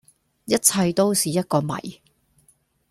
一切都是一個謎